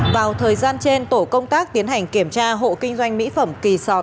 vào thời gian trên tổ công tác tiến hành kiểm tra hộ kinh doanh mỹ phẩm kỳ sọt